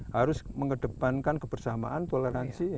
harus mengedepankan kebersamaan toleransi